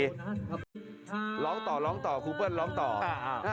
ร้องต่อครูเปิ้ลร้องต่อ